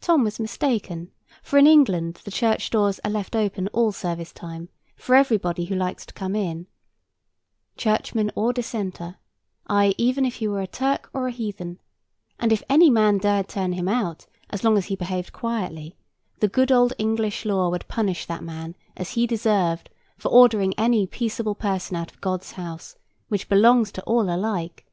Tom was mistaken: for in England the church doors are left open all service time, for everybody who likes to come in, Churchman or Dissenter; ay, even if he were a Turk or a Heathen; and if any man dared to turn him out, as long as he behaved quietly, the good old English law would punish that man, as he deserved, for ordering any peaceable person out of God's house, which belongs to all alike.